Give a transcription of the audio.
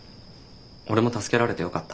俺も助けられてよかった。